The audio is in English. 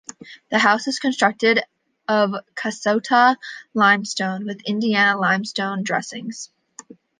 The house is constructed of Kasota limestone, with Indiana limestone dressings.